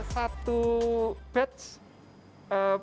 satu batch pengujian